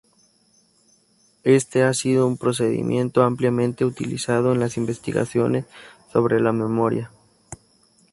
Este ha sido un procedimiento ampliamente utilizado en las investigaciones sobre la memoria.